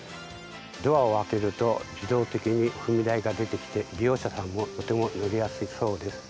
ドアを開けると自動的に踏み台が出てきて、利用者さんもとても乗りやすそうです。